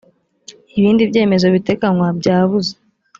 ibindi byemezo biteganywa byabuze